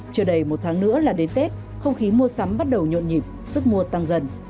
chưa đầy một tháng nữa là đến tết không khí mua sắm bắt đầu nhộn nhịp sức mua tăng dần